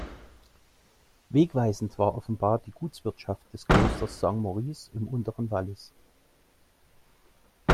Wegweisend war offenbar die Gutswirtschaft des Klosters Saint-Maurice im unteren Wallis.